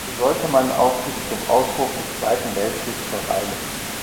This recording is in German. Hier sollte man auch bis zum Ausbruch des Zweiten Weltkriegs verweilen.